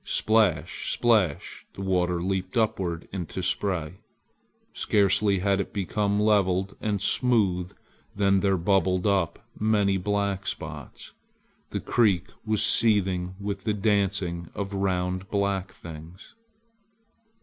Splash! splash! the water leaped upward into spray. Scarcely had it become leveled and smooth than there bubbled up many black spots. The creek was seething with the dancing of round black things.